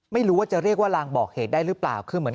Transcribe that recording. ไม่รู้ว่าจะเรียกว่าลางบอกเหตุได้หรือเปล่าคือเหมือน